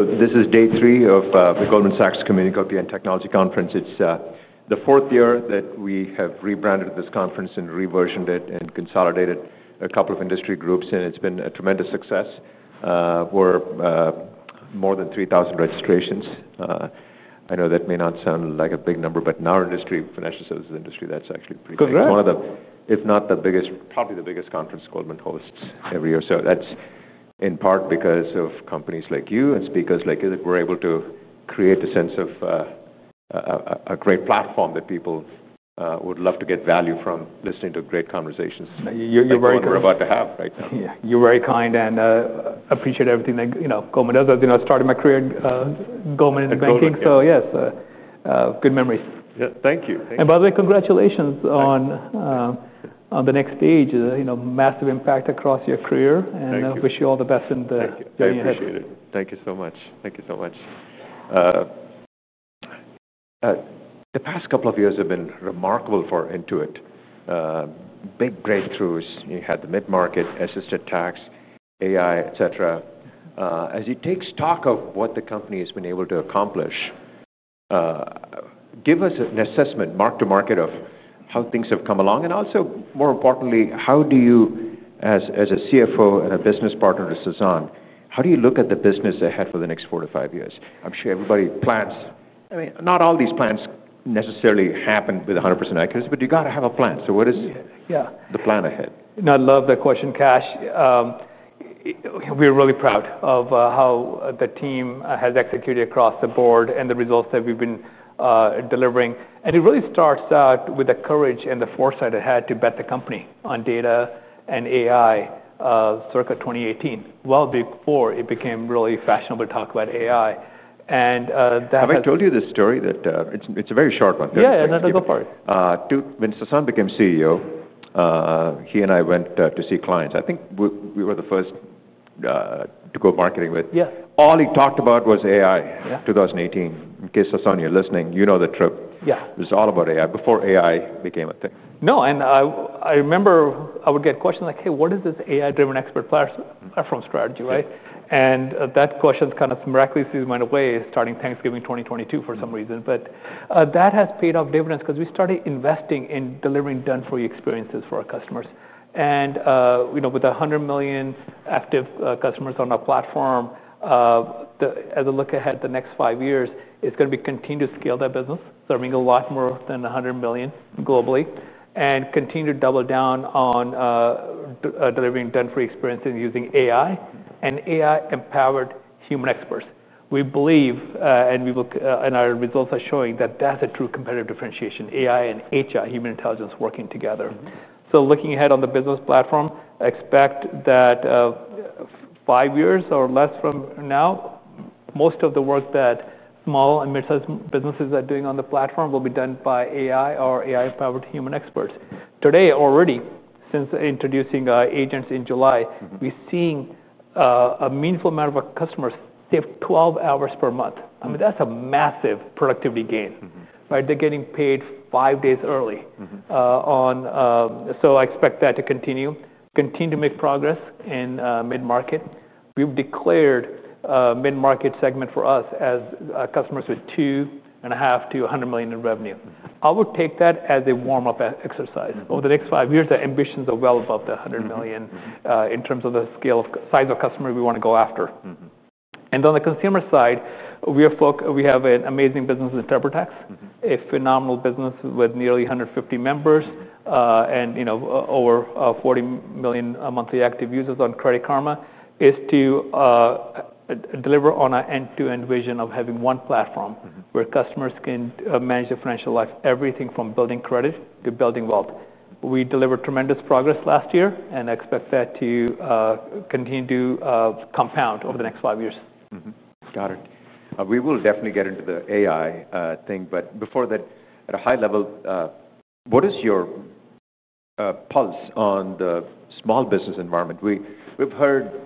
This is day three of the Goldman Sachs Community Co-Quantum Technology Conference. It's the fourth year that we have rebranded this conference, reversioned it, and consolidated a couple of industry groups, and it's been a tremendous success. We're at more than 3,000 registrations. I know that may not sound like a big number, but in our industry, financial services industry, that's actually pretty good. Correct. One of them, if not the biggest, probably the biggest conference Goldman Sachs hosts every year. That's in part because of companies like you and speakers like you that we're able to create a sense of a great platform that people would love to get value from listening to great conversations. You're very kind. That's what we're about to have right now. You're very kind and appreciate everything that Goldman Sachs does. I started my career at Goldman Sachs in banking, so yes, good memories. Yeah, thank you. Congratulations on the next stage. Massive impact across your career, and I wish you all the best in the future. Thank you. Junior. Appreciate it. Thank you so much. Thank you so much. The past couple of years have been remarkable for Intuit. Big breakthroughs. You had the mid-market, assisted tax, AI, et cetera. As you take stock of what the company has been able to accomplish, give us an assessment, mark to market, of how things have come along. More importantly, how do you, as a CFO and a business partner to Sasan, how do you look at the business ahead for the next four to five years? I'm sure everybody plans. I mean, not all these plans necessarily happen with 100% accuracy, but you got to have a plan. What is the plan ahead? I love that question, Kash. We're really proud of how the team has executed across the board and the results that we've been delivering. It really starts out with the courage and the foresight it had to bet the company on data and AI circa 2018, before it became really fashionable to talk about AI. Have I told you this story? It's a very short one. Yeah, no, don't go far. When Sasan became CEO, he and I went to see clients. I think we were the first to go marketing with. Yeah. All he talked about was AI, 2018. In case Sasan, you're listening, you know the trip. Yeah. It was all about AI before AI became a thing. No, and I remember I would get questions like, hey, what is this AI-driven expert platform strategy, right? That question kind of miraculously went away starting Thanksgiving 2022 for some reason. That has paid off dividends because we started investing in delivering done for you experiences for our customers. With 100 million active customers on our platform, as I look ahead the next five years, it's going to be continuing to scale that business, serving a lot more than 100 million globally, and continue to double down on delivering done for you experiences using AI and AI-empowered human experts. We believe, and our results are showing, that that's a true competitive differentiation, AI and HI, human intelligence, working together. Looking ahead on the business platform, I expect that five years or less from now, most of the work that small and midsize businesses are doing on the platform will be done by AI or AI-powered human experts. Today, already, since introducing agents in July, we're seeing a meaningful amount of our customers save 12 hours per month. I mean, that's a massive productivity gain. They're getting paid five days early. I expect that to continue, continue to make progress in mid-market. We've declared a mid-market segment for us as customers with $2.5 million to $100 million in revenue. I would take that as a warm-up exercise. Over the next five years, the ambitions are well above the $100 million in terms of the scale of size of customer we want to go after. On the consumer side, we have an amazing business with TurboTax, a phenomenal business with nearly 150 members and over 40 million monthly active users on Credit Karma, to deliver on an end-to-end vision of having one platform where customers can manage their financial life, everything from building credit to building wealth. We delivered tremendous progress last year and expect that to continue to compound over the next five years. Got it. We will definitely get into the AI thing, but before that, at a high level, what is your pulse on the small business environment? We've heard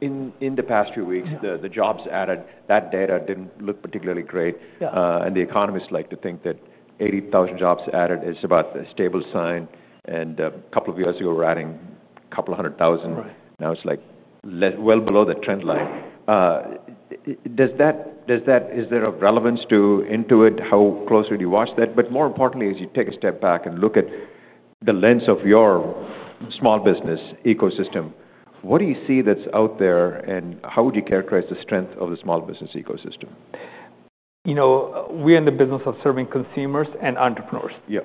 in the past few weeks the jobs added, that data didn't look particularly great. Yeah. Economists like to think that 80,000 jobs added is about the stable sign. A couple of years ago, we were adding a couple of hundred thousand. Right. Now it's like well below that trend line. Is there a relevance to Intuit? How closely do you watch that? More importantly, as you take a step back and look at the lens of your small business ecosystem, what do you see that's out there and how would you characterize the strength of the small business ecosystem? We're in the business of serving consumers and entrepreneurs. Yeah.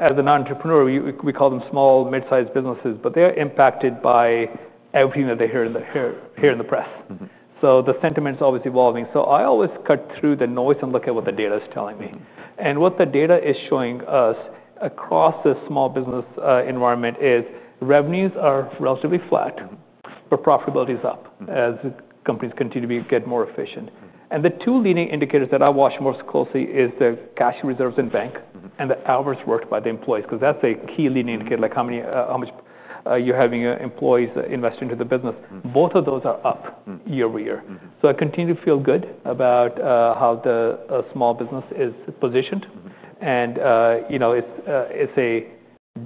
As an entrepreneur, we call them small, midsize businesses, but they are impacted by everything that they hear in the press. The sentiment is always evolving. I always cut through the noise and look at what the data is telling me. What the data is showing us across the small business environment is revenues are relatively flat, but profitability is up as companies continue to get more efficient. The two leading indicators that I watch most closely are the cash reserves in bank and the hours worked by the employees, because that's a key leading indicator, like how much you're having employees invest into the business. Both of those are up year over year. I continue to feel good about how the small business is positioned. It's a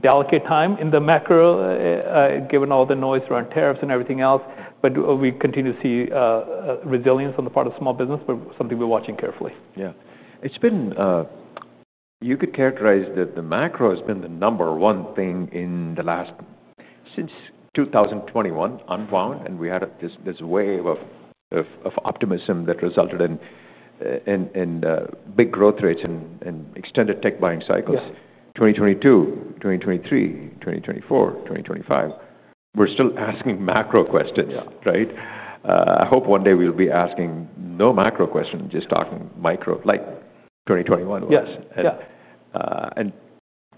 delicate time in the macro, given all the noise around tariffs and everything else. We continue to see resilience on the part of small business, but something we're watching carefully. Yeah. You could characterize that the macro has been the number one thing in the last, since 2021, unbound, and we had this wave of optimism that resulted in big growth rates and extended tech buying cycles. Yeah. 2022, 2023, 2024, 2025, we're still asking macro questions, right? Yeah. I hope one day we'll be asking no macro questions, just talking micro, like 2021 was. Yes. In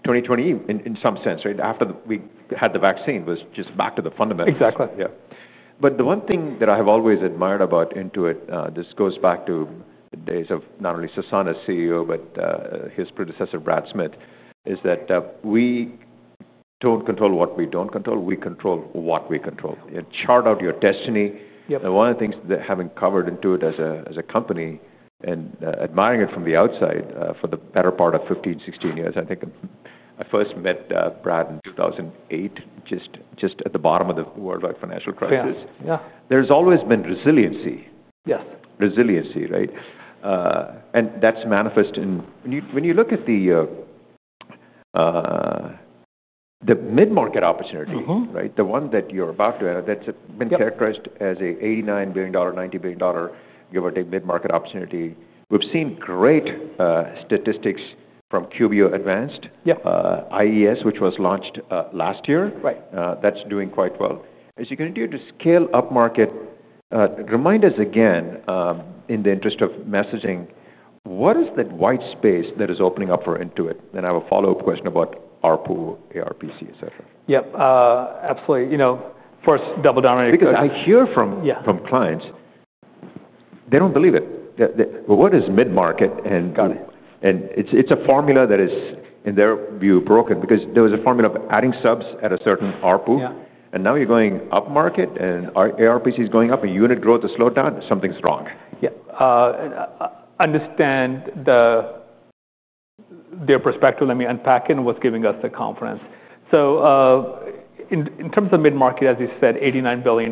2020, in some sense, right, after we had the vaccine, it was just back to the fundamentals. Exactly. Yeah. The one thing that I have always admired about Intuit, this goes back to the days of not only Sasan as CEO, but his predecessor, Brad Smith, is that we don't control what we don't control. We control what we control. Chart out your destiny. Yep. One of the things that having covered Intuit as a company and admiring it from the outside for the better part of 15, 16 years, I think I first met Brad Smith in 2008, just at the bottom of the worldwide financial crisis. Yeah, yeah. There's always been resiliency. Yes. Resiliency, right? That's manifest in when you look at the mid-market opportunity, the one that you're about to enter, that's been characterized as an $89 billion, $90 billion, give or take, mid-market opportunity. We've seen great statistics from QuickBooks Online Advanced. Yeah. Suite, which was launched last year. Right. That's doing quite well. As you continue to scale up market, remind us again, in the interest of messaging, what is that white space that is opening up for Intuit? I have a follow-up question about ARPU, ARPC, et cetera. Yep. Absolutely. First, double down. Because I hear from clients, they don't believe it. What is mid-market? Got it. It is a formula that is, in their view, broken, because there was a formula of adding subs at a certain ARPC. Yeah. You are going up market and ARPC is going up, and unit growth has slowed down. Something's wrong. Yeah. Understand their perspective. Let me unpack it and what's giving us the confidence. In terms of mid-market, as you said, $89 billion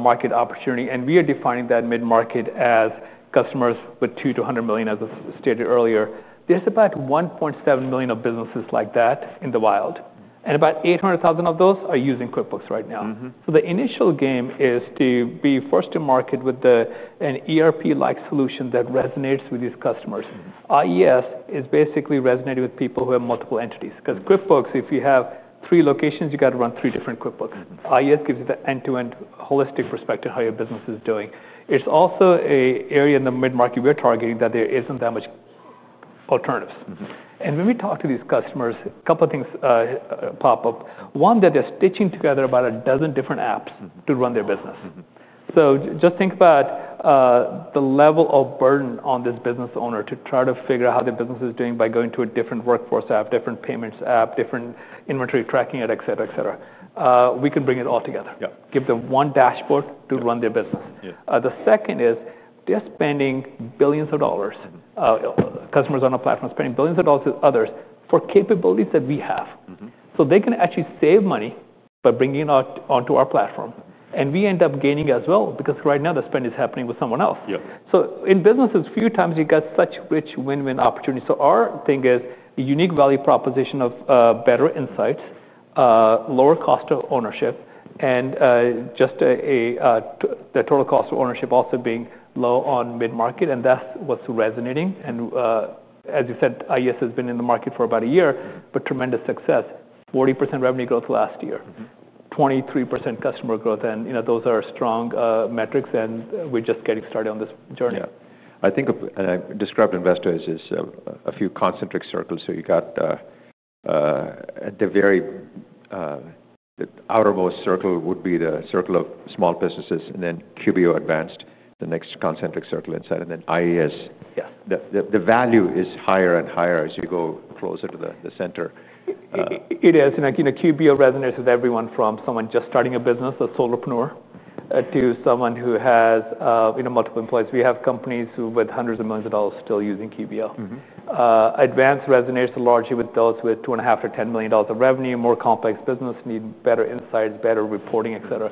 market opportunity, and we are defining that mid-market as customers with $2 million to $100 million, as I stated earlier. There's about 1.7 million of businesses like that in the wild, and about 800,000 of those are using QuickBooks right now. The initial game is to be first to market with an ERP-like solution that resonates with these customers. Intuit Enterprise Suite is basically resonating with people who have multiple entities. Because QuickBooks, if you have three locations, you got to run three different QuickBooks. Intuit Enterprise Suite gives you the end-to-end holistic perspective of how your business is doing. It's also an area in the mid-market we're targeting that there isn't that much alternatives. When we talk to these customers, a couple of things pop up. One, that they're stitching together about a dozen different apps to run their business. Just think about the level of burden on this business owner to try to figure out how their business is doing by going to a different workforce app, different payments app, different inventory tracking app, etc., etc. We can bring it all together. Yeah. Give them one dashboard to run their business. Yeah. The second is they're spending billions of dollars. Customers on our platform are spending billions of dollars with others for capabilities that we have. They can actually save money by bringing it onto our platform. We end up gaining as well, because right now the spend is happening with someone else. Yeah. In businesses, a few times you get such rich win-win opportunities. Our thing is a unique value proposition of better insights, lower cost of ownership, and just the total cost of ownership also being low on mid-market. That's what's resonating. As you said, Intuit Enterprise Suite has been in the market for about a year, but tremendous success. 40% revenue growth last year, 23% customer growth. Those are strong metrics, and we're just getting started on this journey. I think of, and I described investors as a few concentric circles. You got the very outermost circle would be the circle of small businesses, then QuickBooks Online Advanced, the next concentric circle inside, and then Intuit Enterprise Suite. Yeah. The value is higher and higher as you go closer to the center. It is. QBO resonates with everyone from someone just starting a business, a solopreneur, to someone who has multiple employees. We have companies with hundreds of millions of dollars still using QBO. Advanced resonates largely with those with $2.5 to $10 million of revenue, more complex business, need better insights, better reporting, et cetera.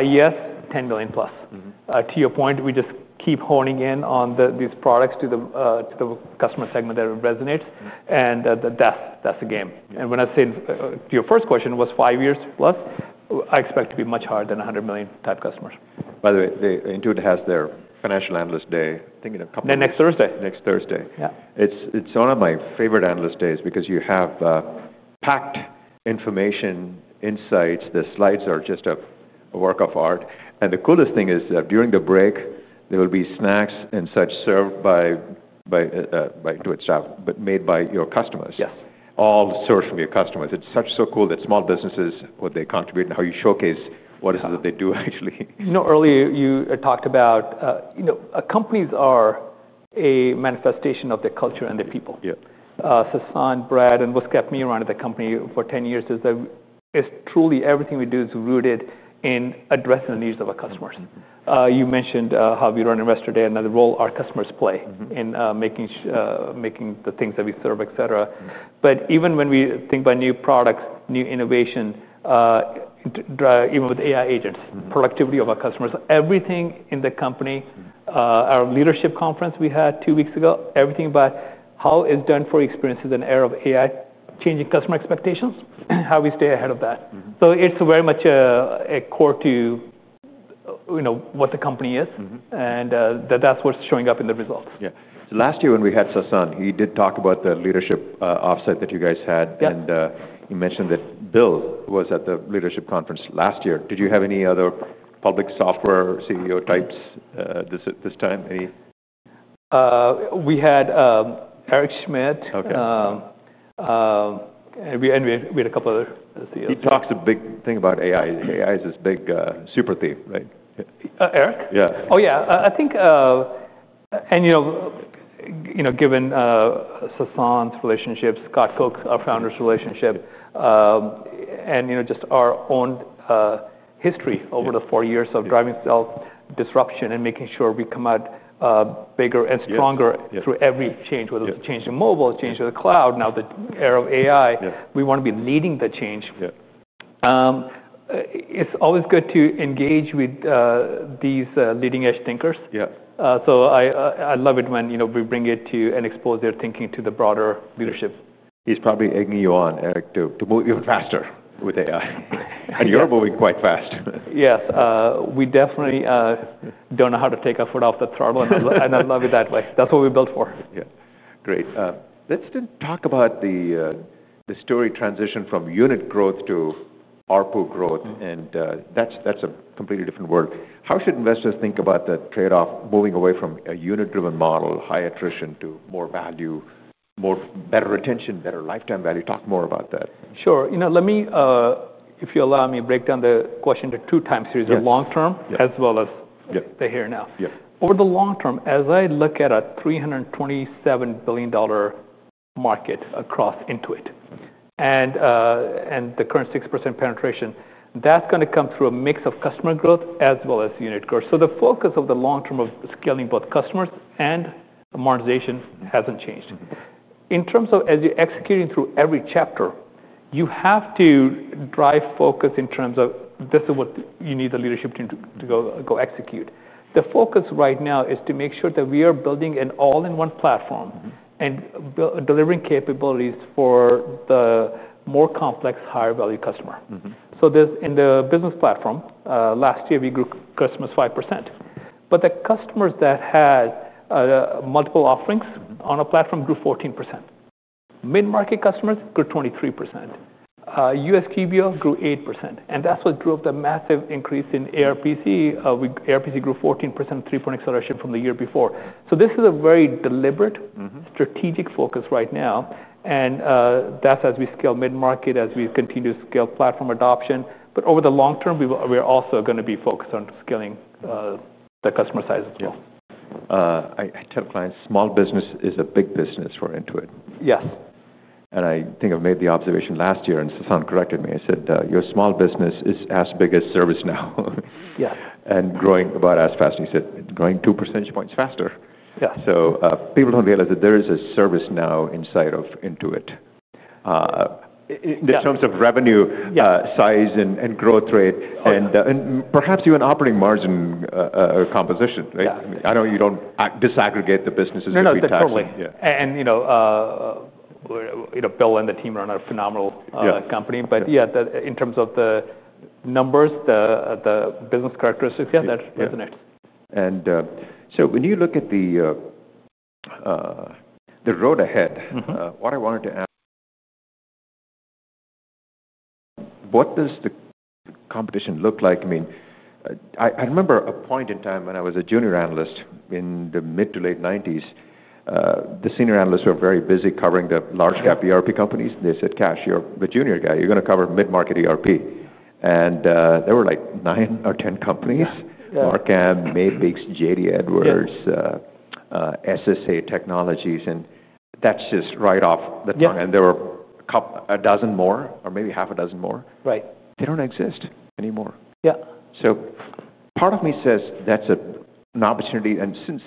IES, $10 million plus. To your point, we just keep honing in on these products to the customer segment that resonates. That is the game. When I say to your first question, it was five years plus, I expect to be much higher than 100 million-type customers. By the way, Intuit has their financial analyst day. Thinking of coming next Thursday. Next Thursday. Yeah. It's one of my favorite analyst days because you have packed information, insights. The slides are just a work of art. The coolest thing is that during the break, there will be snacks and such served by Intuit staff, but made by your customers. Yeah. All sourced from your customers. It's so cool that small businesses, what they contribute and how you showcase what it is that they do actually. Earlier you talked about companies are a manifestation of the culture and the people. Yeah. Sasan, Brad, and what's kept me around at the company for 10 years is that truly everything we do is rooted in addressing the needs of our customers. You mentioned how we run Investor Day, another role our customers play in making the things that we serve, et cetera. Even when we think about new products, new innovation, even with AI agents, productivity of our customers, everything in the company, our leadership conference we had two weeks ago, everything about how it's done for experiences in an era of AI, changing customer expectations, how we stay ahead of that. It is very much a core to what the company is, and that's what's showing up in the results. Yeah. Last year when we had Sasan, he did talk about the leadership offsite that you guys had. Yeah. He mentioned that Bill was at the leadership conference last year. Did you have any other public software CEO types this time? We had Eric Schmidt, and we had a couple of other CEOs. He talks a big thing about AI. AI is this big super thief, right? Eric? Yeah. Oh, yeah. I think, and you know, given Sasan's relationship, Scott Fuchs, our founder's relationship, and just our own history over the four years of driving disruption and making sure we come out bigger and stronger through every change, whether it's a change in mobile, a change in the cloud, now the era of AI, we want to be leading the change. Yeah. It's always good to engage with these leading-edge thinkers. Yeah. I love it when we bring it to and expose their thinking to the broader leadership. He's probably egging you on, Erik, to move even faster with AI. You're moving quite fast. Yes. We definitely don't know how to take our foot off the throttle, and I love it that way. That's what we're built for. Yeah. Great. Let's then talk about the story transition from unit growth to ARPC growth, and that's a completely different world. How should investors think about the trade-off moving away from a unit-driven model, high attrition to more value, better retention, better lifetime value? Talk more about that. Sure. Let me, if you allow me, break down the question into two time series, the long term as well as the here and now. Yeah. Over the long term, as I look at a $327 billion market across Intuit and the current 6% penetration, that's going to come through a mix of customer growth as well as unit growth. The focus of the long term of scaling both customers and monetization hasn't changed. In terms of as you're executing through every chapter, you have to drive focus in terms of this is what you need the leadership team to go execute. The focus right now is to make sure that we are building an all-in-one platform and delivering capabilities for the more complex, higher-value customer. In the business platform, last year we grew customers 5%. The customers that had multiple offerings on our platform grew 14%. Mid-market customers grew 23%. U.S. TBO grew 8%. That's what drove the massive increase in ARPC. ARPC grew 14% in three-point acceleration from the year before. This is a very deliberate, strategic focus right now. As we scale mid-market, we continue to scale platform adoption. Over the long term, we are also going to be focused on scaling the customer size as well. I tell clients small business is a big business for Intuit. Yes. I think I made the observation last year, and Sasan corrected me. I said, your small business is as big as ServiceNow. Yeah. Growing about as fast. He said, growing 2% faster. Yeah. People don't realize that there is a ServiceNow inside of Intuit in terms of revenue, size, and growth rate, and perhaps even operating margin composition, right? Yeah. I know you don't disaggregate the businesses as we talked. No, totally. You know, Bill and the team run a phenomenal company. In terms of the numbers, the business characteristics, that's next. When you look at the road ahead, what I wanted to ask, what does the competition look like? I remember a point in time when I was a junior analyst in the mid to late 1990s, the Senior Analysts were very busy covering the large-cap ERP companies. They said, Kash, you're the junior guy. You're going to cover mid-market ERP. There were like nine or 10 companies, Marqam, Maybigs, J.D. Edwards, SSA Technologies. That's just right off the tongue. There were a dozen more, or maybe half a dozen more. Right. They don't exist anymore. Yeah. Part of me says that's an opportunity. Since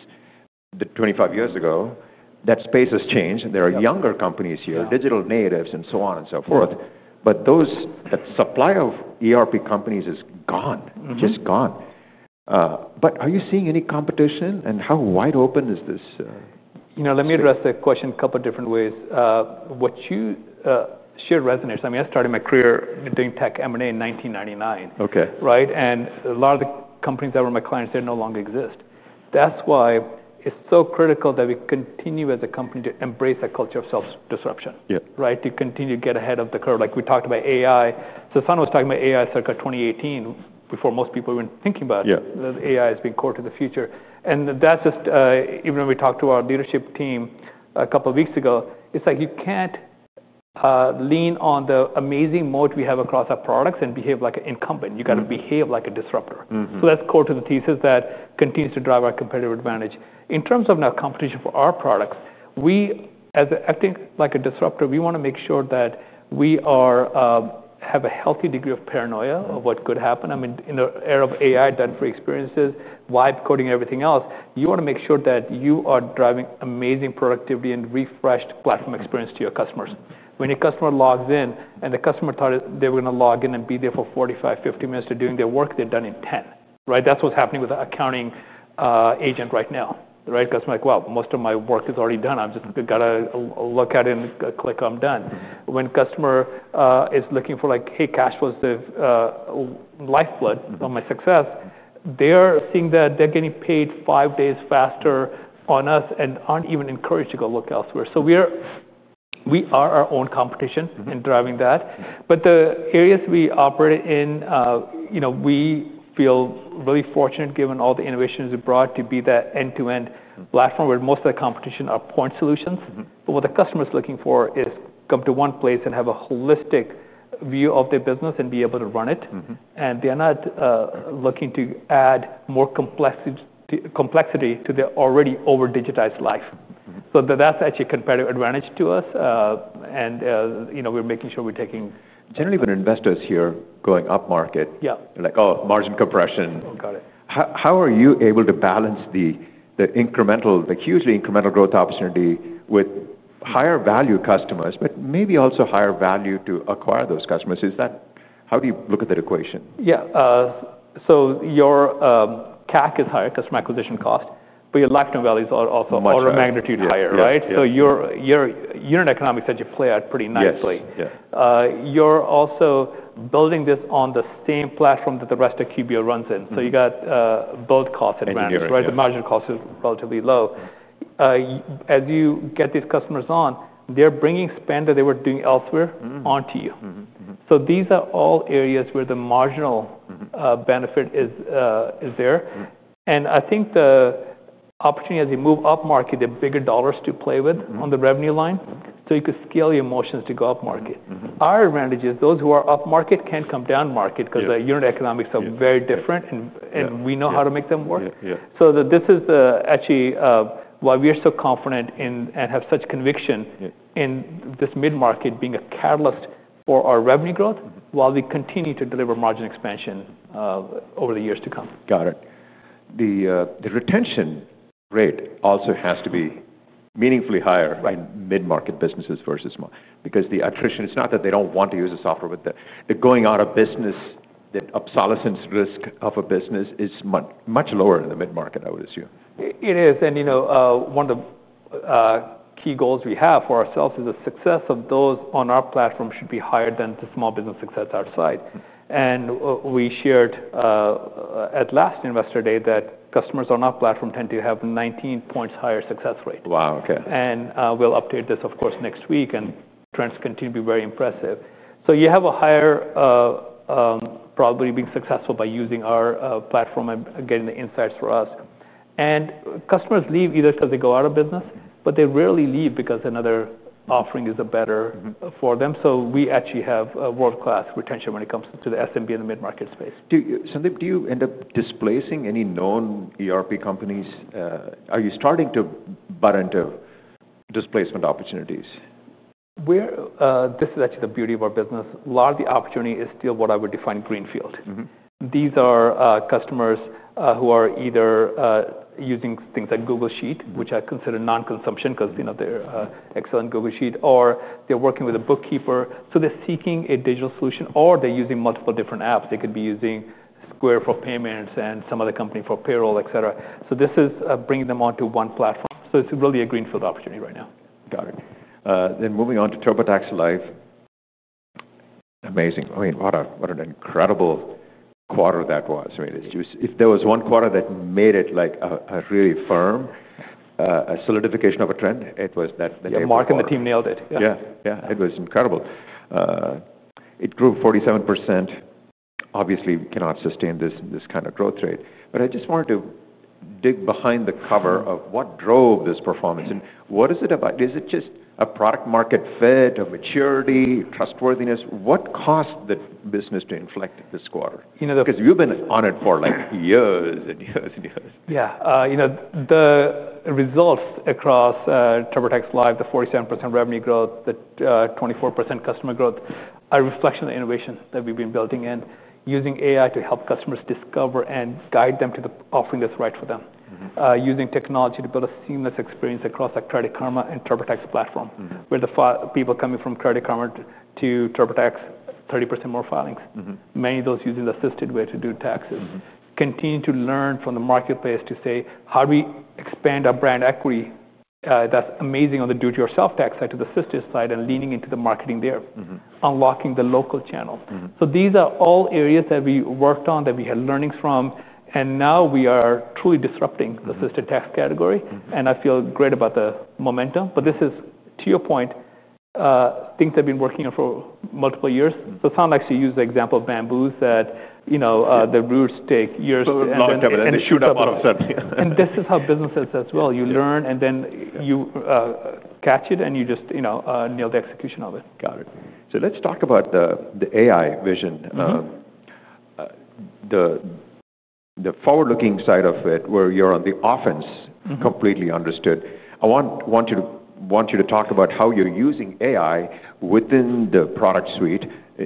25 years ago, that space has changed. There are younger companies here, digital natives, and so on and so forth. That supply of ERP companies is gone, just gone. Are you seeing any competition, and how wide open is this? You know, let me address the question a couple of different ways. What you shared resonates. I mean, I started my career doing tech M&A in 1999. Okay. A lot of the companies that were my clients, they no longer exist. That's why it's so critical that we continue as a company to embrace a culture of self-disruption. Yeah. Right? To continue to get ahead of the curve. Like we talked about AI. Sasan was talking about AI circa 2018 before most people were even thinking about it. Yeah. AI is being core to the future. That's just, even when we talked to our leadership team a couple of weeks ago, it's like you can't lean on the amazing moat we have across our products and behave like an incumbent. You got to behave like a disruptor. That's core to the thesis that continues to drive our competitive advantage. In terms of now competition for our products, we, as acting like a disruptor, want to make sure that we have a healthy degree of paranoia of what could happen. I mean, in the era of AI, done for experiences, why coding everything else? You want to make sure that you are driving amazing productivity and refreshed platform experience to your customers. When a customer logs in and the customer thought they were going to log in and be there for 45, 50 minutes to doing their work, they're done in 10. Right? That's what's happening with the accounting agent right now. Right? Because I'm like, most of my work is already done. I've just got to look at it and click on done. When a customer is looking for like, hey, Kash, what's the lifeblood of my success? They're seeing that they're getting paid five days faster on us and aren't even encouraged to go look elsewhere. We are our own competition in driving that. The areas we operate in, we feel really fortunate given all the innovations we brought to be that end-to-end platform where most of the competition are point solutions. What the customer is looking for is come to one place and have a holistic view of their business and be able to run it. They're not looking to add more complexity to their already over-digitized life. That's actually a competitive advantage to us. We're making sure we're taking. Generally, when investors hear going up market. Yeah. They're like, oh, margin compression. Got it. How are you able to balance the incremental, the hugely incremental growth opportunity with higher value customers, but maybe also higher value to acquire those customers? Is that, how do you look at that equation? Yeah, your CAC is higher, customer acquisition cost, but your lifetime values are of a magnitude higher, right? Yeah. You're an economic that you play out pretty nicely. Yeah. You're also building this on the same platform that the rest of QuickBooks Online runs in, so you got both cost advantage, right? Yeah. The margin cost is relatively low. As you get these customers on, they're bringing spend that they were doing elsewhere onto you. These are all areas where the marginal benefit is there. I think the opportunity, as you move up market, is the bigger dollars to play with on the revenue line, so you could scale your motions to go up market. Our advantage is those who are up market can't come down market because the unit economics are very different and we know how to make them work. Yeah. This is actually why we are so confident in and have such conviction in this mid-market being a catalyst for our revenue growth while we continue to deliver margin expansion over the years to come. Got it. The retention rate also has to be meaningfully higher in mid-market businesses versus small because the attrition, it's not that they don't want to use the software, but the going out of business, the obsolescence risk of a business is much lower in the mid-market, I would assume. It is. You know, one of the key goals we have for ourselves is the success of those on our platform should be higher than the small business success outside. We shared at last Investor Day that customers on our platform tend to have 19 points higher success rate. Wow, OK. We will update this, of course, next week. Trends continue to be very impressive. You have a higher probability of being successful by using our platform and getting the insights from us. Customers leave either because they go out of business, but they rarely leave because another offering is better for them. We actually have world-class retention when it comes to the SMB in the mid-market space. Do you end up displacing any known ERP companies? Are you starting to butt into displacement opportunities? This is actually the beauty of our business. A lot of the opportunity is still what I would define as greenfield. These are customers who are either using things like Google Sheet, which I consider non-consumption because they're excellent Google Sheet, or they're working with a bookkeeper. They are seeking a digital solution, or they're using multiple different apps. They could be using Square for payments and some other company for payroll, etc. This is bringing them onto one platform. It is really a greenfield opportunity right now. Got it. Moving on to TurboTax Live. Amazing. I mean, what an incredible quarter that was. If there was one quarter that made it like a really firm solidification of a trend, it was that. Yeah, Mark and the team nailed it. Yeah. Yeah. It was incredible. It grew 47%. Obviously, we cannot sustain this kind of growth rate. I just wanted to dig behind the cover of what drove this performance. What is it about? Is it just a product market fit, a maturity, trustworthiness? What caused the business to inflect this quarter? We've been on it for like years and years and years. Yeah. You know, the results across TurboTax Live, the 47% revenue growth, the 24% customer growth, are a reflection of the innovation that we've been building and using AI to help customers discover and guide them to the offering that's right for them, using technology to build a seamless experience across a Credit Karma and TurboTax platform, where the people coming from Credit Karma to TurboTax, 30% more filings. Many of those using the assisted way to do taxes. We continue to learn from the marketplace to say, how do we expand our brand equity? That's amazing on the do-it-yourself tax side to the assisted side and leaning into the marketing there, unlocking the local channel. These are all areas that we worked on, that we had learnings from. Now we are truly disrupting the assisted tax category. I feel great about the momentum. This is, to your point, things I've been working on for multiple years. Sasan actually used the example of bamboos that, you know, the roots take years. It is not a cheap substance. This is how businesses as well. You learn and then you catch it and you just, you know, nail the execution of it. Got it. Let's talk about the AI vision, the forward-looking side of it where you're on the offense, completely understood. I want you to talk about how you're using AI within the product suite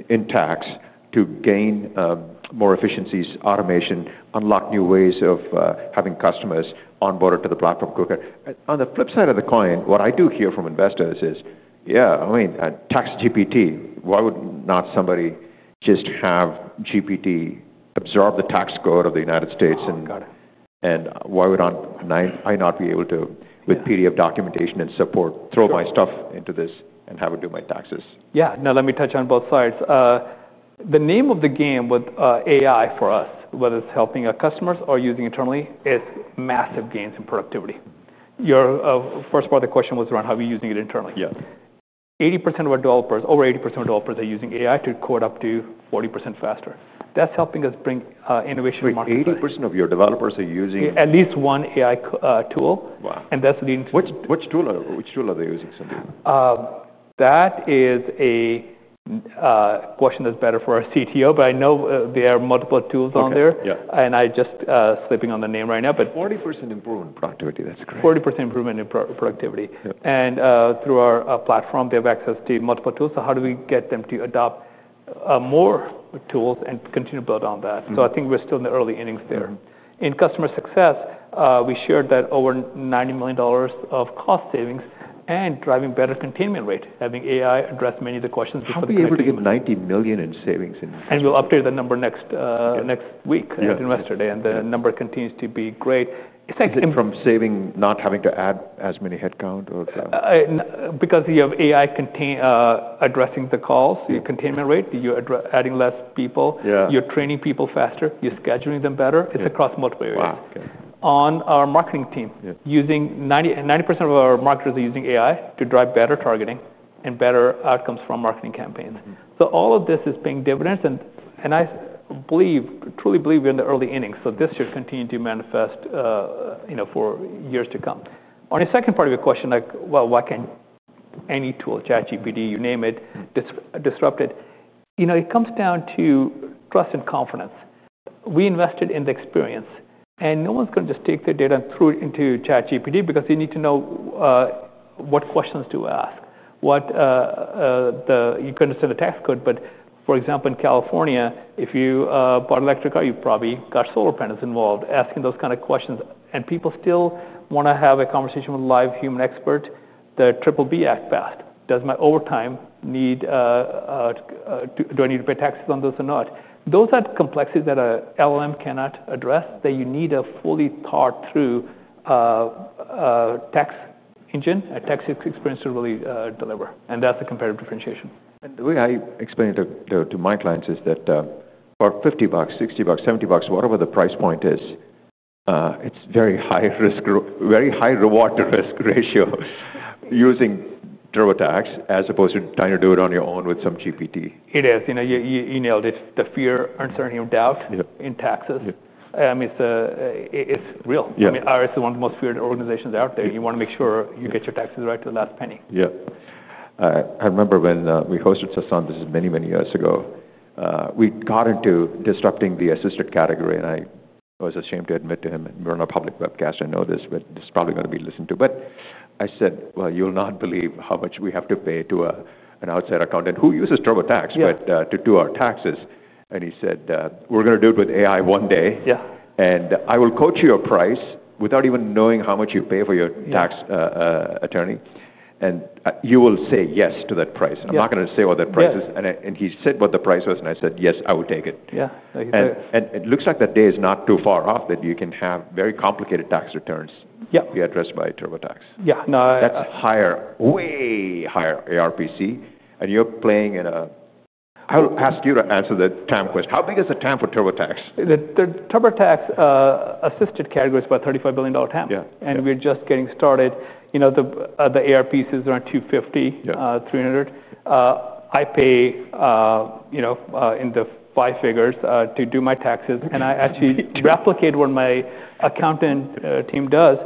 in tax to gain more efficiencies, automation, unlock new ways of having customers onboarded to the platform quicker. On the flip side of the coin, what I do hear from investors is, yeah, I mean, tax GPT, why would not somebody just have GPT absorb the tax code of the United States? Got it. Why would I not be able to, with PDF documentation and support, throw my stuff into this and have it do my taxes? Yeah. Now let me touch on both sides. The name of the game with AI for us, whether it's helping our customers or using it internally, is massive gains in productivity. Your first part of the question was around how are we using it internally. Yeah. Over 80% of our developers are using AI to code up to 40% faster. That's helping us bring innovation to market. 80% of your developers are using. At least one AI tool. Wow. That is leading to. Which tool are they using, Sandeep? That is a question that's better for our Chief Technology Officer, but I know there are multiple tools on there. Yeah. I'm just slipping on the name right now. 40% improvement in productivity. That's great. 40% improvement in productivity. Through our platform, they have access to multiple tools. How do we get them to adopt more tools and continue to build on that? I think we're still in the early innings there. In customer success, we shared that over $90 million of cost savings and driving better containment rate, having AI address many of the questions before. You're able to get $90 million in savings in. We will update the number next week at Investor Day, and the number continues to be great. Is that from saving, not having to add as many headcount, or? Because you have AI addressing the calls, your containment rate, you're adding less people. Yeah. You're training people faster. You're scheduling them better. It's across multiple areas. Wow. On our marketing team, 90% of our marketers are using AI to drive better targeting and better outcomes from marketing campaigns. All of this is paying dividends. I believe, truly believe, we're in the early innings. This should continue to manifest for years to come. On your second part of your question, like, why can't any tool, ChatGPT, you name it, disrupt it? It comes down to trust and confidence. We invested in the experience. No one's going to just take their data and throw it into ChatGPT because you need to know what questions to ask. You can understand the tax code, but for example, in California, if you bought an electric car, you probably got solar panels involved, asking those kind of questions. People still want to have a conversation with a live human expert. The triple B act fast. Does my overtime need, do I need to pay taxes on those or not? Those are complexities that an LLM cannot address, that you need a fully thought-through tax engine, a tax experience to really deliver. That's the competitive differentiation. The way I explain it to my clients is that for $50, $60, $70, whatever the price point is, it's a very high risk, very high reward to risk ratio using TurboTax, as opposed to trying to do it on your own with some GPT. It is. You know, you nailed it. The fear, uncertainty, and doubt in taxes is real. Yeah. I mean, the IRS is one of the most feared organizations out there. You want to make sure you get your taxes right to the last penny. Yeah. I remember when we hosted Sasan, this is many, many years ago, we got into disrupting the assisted category. I was ashamed to admit to him, and we're on a public webcast. I know this, it's probably going to be listened to. I said, you'll not believe how much we have to pay to an outside accountant who uses TurboTax to do our taxes. He said, we're going to do it with AI one day. Yeah. I will quote you a price without even knowing how much you pay for your tax attorney. You will say yes to that price. I'm not going to say what that price is. He said what the price was. I said yes, I would take it. Yeah. It looks like that day is not too far off that you can have very complicated tax returns. Yeah. Be addressed by TurboTax Live. Yeah. That's a higher, way higher ARPC. You're playing in a, I'll ask you to answer the TAM question. How big is the TAM for TurboTax? The TurboTax Live assisted category is about $35 billion TAM. Yeah. We're just getting started. You know, the ARPC is around $250, $300. I pay, you know, in the five figures to do my taxes. I actually replicate what my accountant team does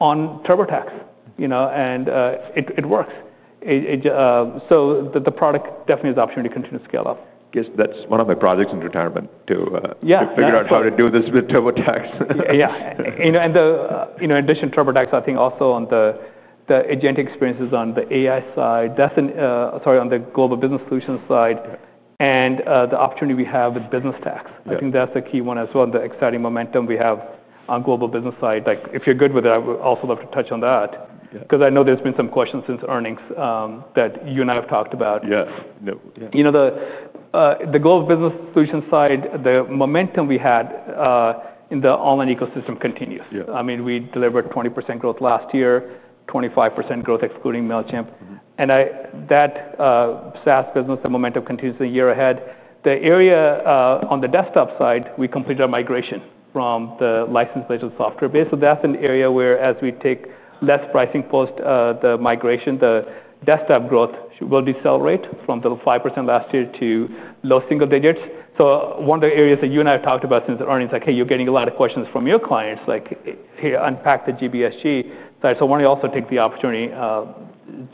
on TurboTax, and it works. The product definitely is an opportunity to continue to scale up. That's one of my projects in retirement to figure out how to do this with TurboTax. Yeah. In addition, TurboTax, I think also on the agent experiences on the AI side, on the global business solutions side, and the opportunity we have with business tax. I think that's the key one as well, the exciting momentum we have on the global business side. If you're good with it, I would also love to touch on that because I know there's been some questions since earnings that you and I have talked about. Yes. You know, the global business solution side, the momentum we had in the online ecosystem continues. Yeah. I mean, we delivered 20% growth last year, 25% growth excluding Mailchimp. That SaaS business, the momentum continues a year ahead. The area on the desktop side, we completed our migration from the license-based to software-based. That's an area where, as we take less pricing post the migration, the desktop growth will decelerate from the 5% last year to low single digits. One of the areas that you and I have talked about since the earnings, like, hey, you're getting a lot of questions from your clients, like, hey, unpack the GBSG side. I want to also take the opportunity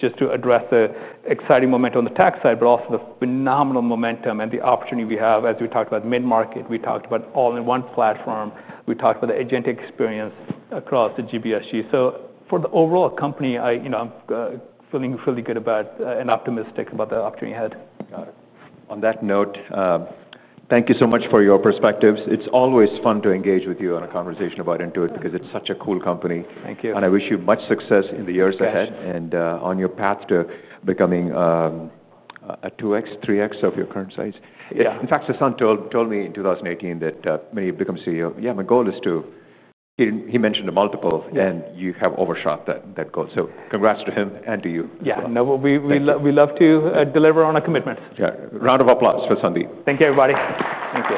just to address the exciting momentum on the tax side, but also the phenomenal momentum and the opportunity we have. As we talked about mid-market, we talked about all-in-one platform. We talked about the agent experience across the GBSG. For the overall company, I'm feeling really good about and optimistic about the opportunity ahead. Got it. On that note, thank you so much for your perspectives. It's always fun to engage with you on a conversation about Intuit because it's such a cool company. Thank you. I wish you much success in the years ahead. Thank you. On your path to becoming a 2X, 3X of your current size. Yeah. In fact, Sasan told me in 2018 that when he becomes CEO, my goal is to, he mentioned a multiple, and you have overshot that goal. Congrats to him and to you. Yeah, no, we love to deliver on our commitments. Yeah, round of applause for Sandeep. Thank you, everybody. Thank you.